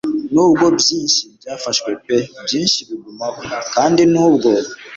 Nubwo byinshi byafashwe pe byinshi bigumaho; kandi nubwo